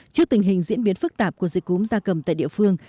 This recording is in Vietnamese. trước tình hình diễn biến phức tạp của dịch cúm da cầm tại địa phương